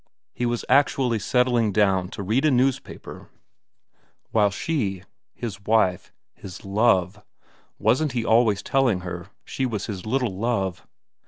He was actually settling down to read a newspaper while she, his wife, his love wasn't he always telling her she was his little Love